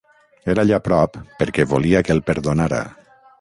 Era allà prop perquè volia que el perdonara.